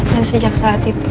dan sejak saat itu